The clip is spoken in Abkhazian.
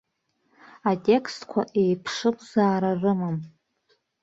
Атекстқәа еиԥшымзаара рымам.